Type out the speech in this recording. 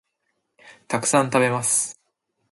たくさん、食べます